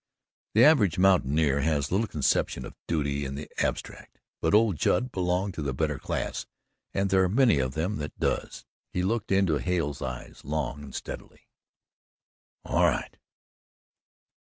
The average mountaineer has little conception of duty in the abstract, but old Judd belonged to the better class and there are many of them that does. He looked into Hale's eyes long and steadily. "All right."